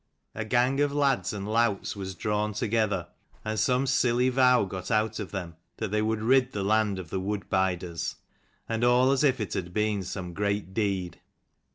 A gang of lads and louts was drawn together, and some silly vow got out of them that they would rid the land of the wood biders: and all as if it had been some great deed.